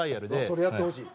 それやってほしい。